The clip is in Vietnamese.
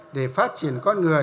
để phát triển con người